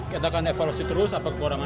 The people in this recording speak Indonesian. kita akan evaluasi terus apa kekurangan